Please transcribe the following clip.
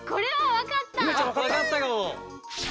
わかったかも！